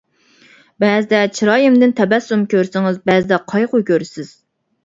بەزىدە چىرايىمدىن تەبەسسۇم كۆرسىڭىز بەزىدە قايغۇ كۆرىسىز.